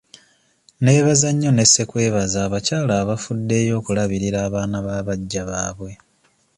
Neebaza nnyo ne ssekwebaza abakyala abafuddeyo okulabirira abaana ba baggya baabwe.